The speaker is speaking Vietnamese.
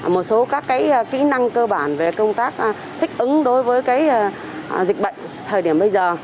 một số các kỹ năng cơ bản về công tác thích ứng đối với dịch bệnh thời điểm bây giờ